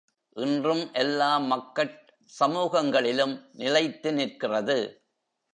இன்றும் எல்லா மக்கட் சமூகங்களிலும் நிலைத்து நிற்கிறது.